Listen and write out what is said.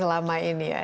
selama ini ya